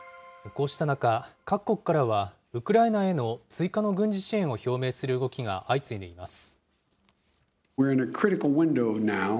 こうした中、各国からはウクライナへの追加の軍事支援を表明する動きが相次いでいます。